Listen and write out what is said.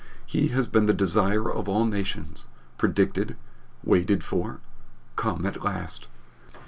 He has been the Desire of all nations predicted, waited for, come at last!